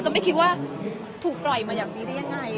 ไม่คิดว่าถูกปล่อยมาอย่างนี้ได้ยังไง